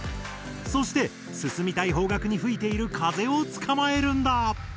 そして進みたい方角に吹いている風を捕まえるんだ！